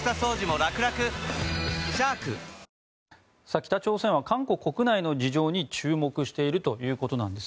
北朝鮮は韓国国内の事情に注目しているということなんです。